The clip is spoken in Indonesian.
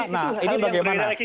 nah ini bagaimana